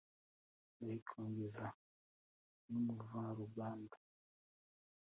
Ndayikongeza n'umuvaruganda !